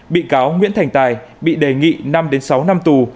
bị cáo nguyễn thành tài bị đề nghị năm sáu năm tù